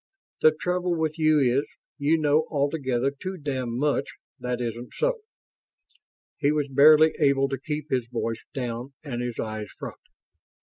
"The trouble with you is, you know altogether too damned much that isn't so." He was barely able to keep his voice down and his eyes front.